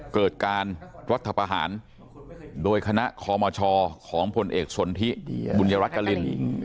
เกิดการรัฐประหารโดยคณะคอมชของพลเอกสนทิบุญยรัฐกริน